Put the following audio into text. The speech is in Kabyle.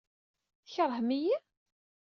Tkeṛhem-iyi?